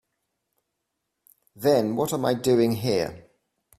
Then what am I doing here?